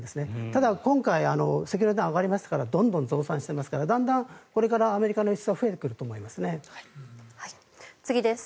ただ、今回石油の値段が上がりましたからどんどん増産していますからだんだんこれからアメリカの輸出は増えてくると思います。